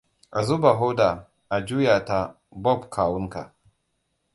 A zuba hoda, a juya ta, Bob kawunka.